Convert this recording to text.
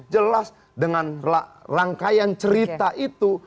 jelas dengan rangkaian cerita itu